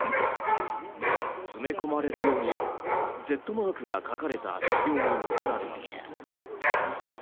詰め込まれるように「Ｚ」マークが描かれた車両に乗せられます。